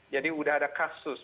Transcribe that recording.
jadi sudah ada kasus